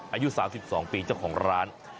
อายุ๓๒ปีเจ้าของร้าน